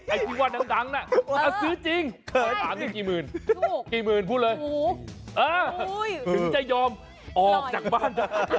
ไอ้ที่ว่าน้ำดังน่ะซื้อจริงถามได้กี่หมื่นพูดเลยถึงจะยอมออกจากบ้าน